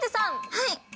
はい。